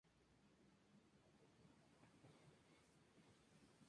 Este se encuentra por Av.